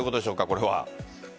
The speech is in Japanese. これは。